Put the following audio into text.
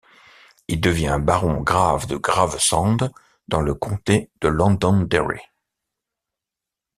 Il devient Baron Graves de Gravesend dans le Comté de Londonderry.